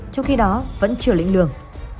trong khi đó vẫn chưa lĩnh lượng